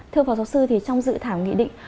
thưa phó giáo sư thì trong dự thảo nghị định